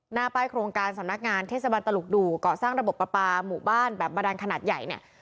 หน้าป้ายโครงการสำนักงานเทศบาลตลุกดูก่อสร้างระบบประปาหมู่บ้านแบบบาดานขนาดใหญ่เนี่ย